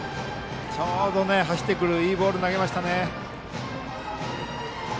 ちょうど走ってくるいいボールを投げましたね。